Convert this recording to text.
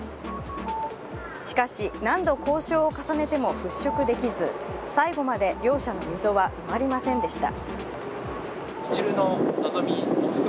しかし、何度交渉を重ねても払拭できず最後まで両者の溝は埋まりませんでした。